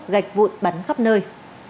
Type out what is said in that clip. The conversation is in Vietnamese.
gạch vụt bắn khắp nơi